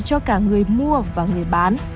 cho cả người mua và người bán